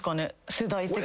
世代的に？